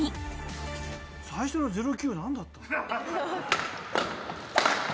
最初の０−９何だった。